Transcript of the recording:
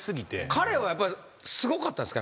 彼はやっぱりすごかったですか？